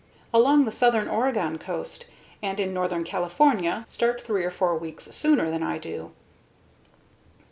Along the southern Oregon coast and in northern California, start three or four weeks sooner than I do.